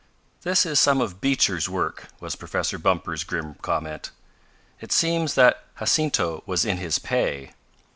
"This is some of Beecher's work," was Professor Bumper's grim comment. "It seems that Jacinto was in his pay."